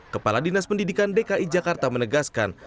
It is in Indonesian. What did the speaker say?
kepala dinas pendidikan dki jakarta menegaskan